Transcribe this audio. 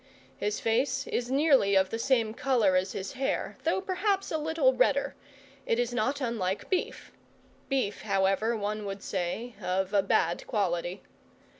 His face is nearly of the same colour as his hair, though perhaps a little redder: it is not unlike beef, beef, however, one would say, of a bad quality.